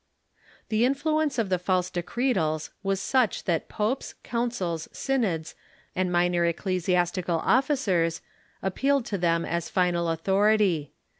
The influence of the false Decretals was such that popes, councils, synods, and minor ecclesiastical officers appealed to them as final authority.